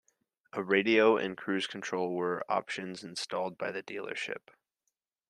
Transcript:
A radio and cruise control were options installed by the dealership.